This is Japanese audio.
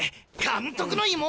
監督の妹！？